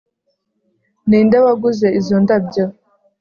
Ninde waguze izo ndabyo